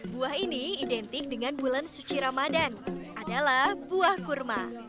buah ini identik dengan bulan suci ramadan adalah buah kurma